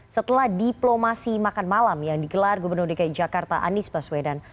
setelah diplomasi makan malam yang digelar gubernur dki jakarta anies baswedan